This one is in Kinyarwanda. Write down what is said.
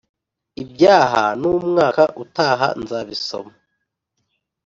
iby’aha n’umwaka utaha nzabisoma